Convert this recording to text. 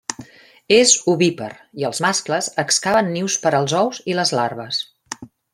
És ovípar i els mascles excaven nius per als ous i les larves.